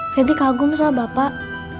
pebri kagum sama bapak